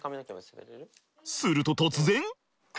すると突然。